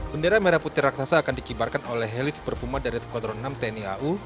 bendera merah putih raksasa akan dikibarkan oleh heli super puma dari skuadron enam tni au